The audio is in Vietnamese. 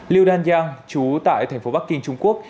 liêu đan giang chú tại thành phố bắc kinh trung quốc